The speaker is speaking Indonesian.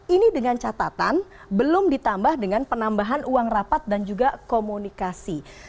ini dengan catatan belum ditambah dengan penambahan uang rapat dan juga komunikasi